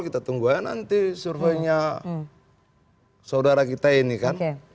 kita tunggu aja nanti surveinya saudara kita ini kan